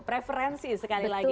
preferensi sekali lagi kan